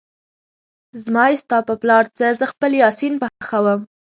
زما يې ستا په پلار څه ، زه خپل يا سين پخوم